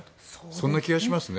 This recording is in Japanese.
そんな気がしますね。